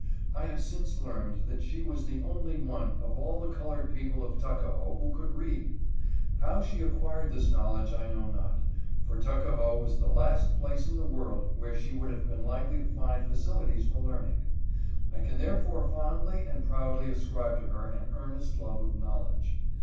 I have since learned that she was the only one of all the colorejj peo ple of Tuckahoe who could read. How she acquired this knowledge I know not, for Tuckahoe was the last place in the world where she would have been likely to find facilities for learning. I can therefore fondly and proudly ascribe to her an earnest love of knowledge.